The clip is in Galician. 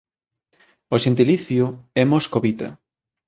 O xentilicio é moscovita.